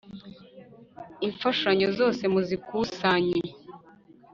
Imfashanyo zose muzikusanye.